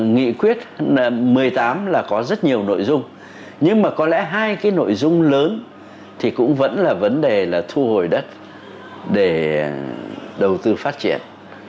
nghị quyết một mươi tám là có rất nhiều nội dung nhưng mà có lẽ hai cái nội dung lớn thì cũng vẫn là vấn đề là thu hồi đất để đầu tư phát triển